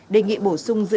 đề nghị bổ sung dự án